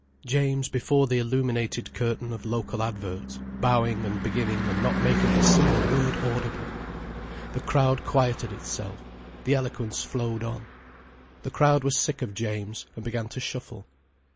James before the illuminated curtain of local adverts, bowing and beginning and not making a single word audible! The crowd quieted itself, the eloquence flowed on. The crowd was sick of James, and began to shuffle.